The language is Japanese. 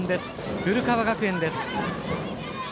古川学園です。